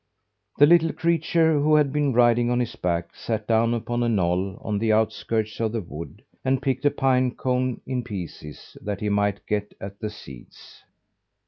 The little creature who had been riding on his back, sat down upon a knoll on the outskirts of the wood and picked a pine cone in pieces, that he might get at the seeds.